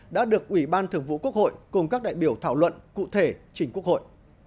đã được ủy ban thường vụ quốc hội cùng các đại biểu thảo luận cụ thể trình quốc hội